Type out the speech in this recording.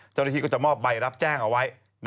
เจ้าหน้าที่ก็จะมอบใบรับแจ้งเอาไว้